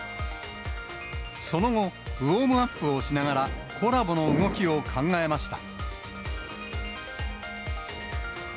その後、ウォームアップをしながら、コラボの動きを考えました。